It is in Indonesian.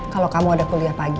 kalau kamu ada kuliah pagi